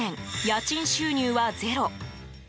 家賃収入はゼロ。